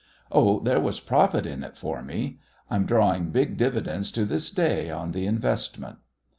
Oh, there was profit in it for me. I'm drawing big dividends to this day on the investment.